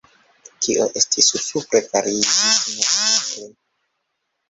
Kio estis supre, fariĝis malsupre!